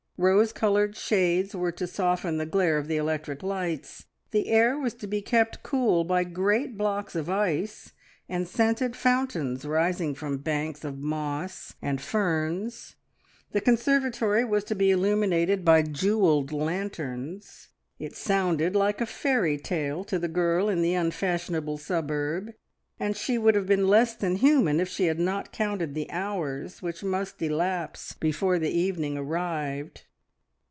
Rose coloured shades were to soften the glare of the electric lights; the air was to be kept cool by great blocks of ice, and scented fountains rising from banks of moss and ferns; the conservatory was to be illuminated by jewelled lanterns. It sounded like a fairy tale to the girl in the unfashionable suburb, and she would have been less than human if she had not counted the hours which must elapse before the evening arrived.